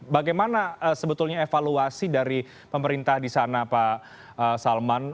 bagaimana sebetulnya evaluasi dari pemerintah di sana pak salman